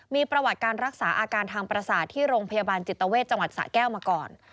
มีประวัติการรักษาอาการทางประสาทที่โรงพยาบาลจิตเวทจังหวัดสะแก้วมาก่อน